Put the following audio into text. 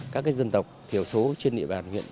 các dân tộc thiểu số trên địa bàn huyện